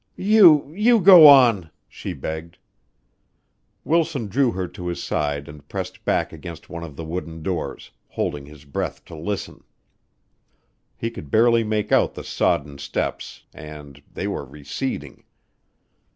"You you go on!" she begged. Wilson drew her to his side and pressed back against one of the wooden doors, holding his breath to listen. He could barely make out the sodden steps and they were receding.